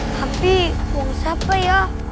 tapi uang siapa ya